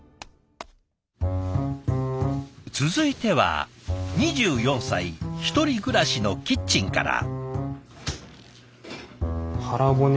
続いては２４歳１人暮らしのキッチンから。